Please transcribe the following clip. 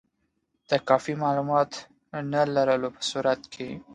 د کافي معلوماتو نه لرلو په صورت کې.